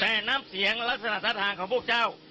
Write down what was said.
แต่น้ำเสียงลักษณะศรัทธาของพวกเจ้า